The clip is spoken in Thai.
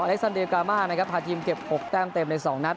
เล็กซันเดลกามานะครับพาทีมเก็บ๖แต้มเต็มใน๒นัด